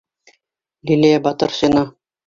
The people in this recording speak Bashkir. Лилиә БАТЫРШИНА: